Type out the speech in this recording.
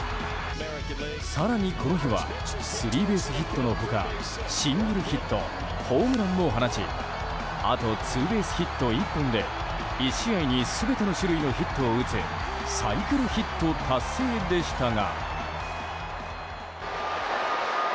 更に、この日はスリーベースヒットの他シングルヒットホームランも放ちあとツーベースヒット１本で１試合に全ての種類のヒットを打つサイクルヒット達成でしたが。